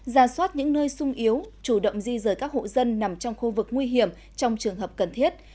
ra soát những nơi sung yếu chủ động di rời các hộ dân nằm trong khu vực nguy hiểm trong trường hợp cần thiết